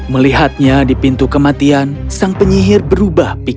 melihatnya di pintu kematian sang penyihir berubah pikir